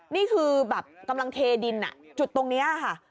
นี่คือแบบกำลังเทดินจุดตรงนี้ค่ะ